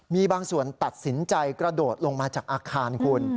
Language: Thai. มีบางส่วนตัดสินใจกระโดดลงมาจากอาคารคุณ